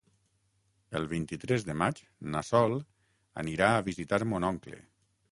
El vint-i-tres de maig na Sol anirà a visitar mon oncle.